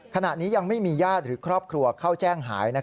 ขณะนี้ยังไม่มีญาติหรือครอบครัวเข้าแจ้งหาย